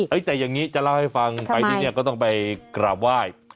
แต่อย่างนี้จะเล่าให้ฟังไปที่นี่ก็ต้องไปกราบไหว้